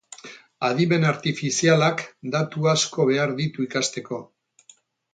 Adimen artifizialak datu asko behar ditu ikasteko.